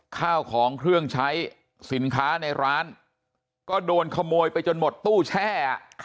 ข้าวของเครื่องใช้สินค้าในร้านก็โดนขโมยไปจนหมดตู้แช่